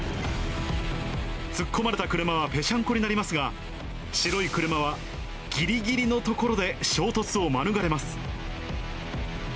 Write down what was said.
突っ込まれた車はぺしゃんこになりますが、白い車はぎりぎりのところで衝突を免れます。